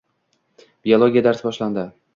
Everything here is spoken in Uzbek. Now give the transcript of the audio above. Biologiya darsi boshlandi.